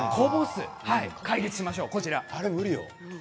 解決しましょう。